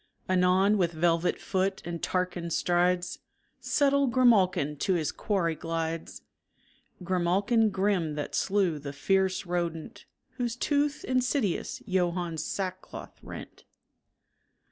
Anon with velvet foot and Tarquin strides Subtle grimalkin to his quarry glides Grimalkin grim that slew the fierce rodent Whose tooth insidious Johann's sackcloth rent.